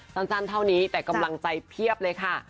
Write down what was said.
สั้นเท่านี้แต่กำลังใจเพียบเลยค่ะ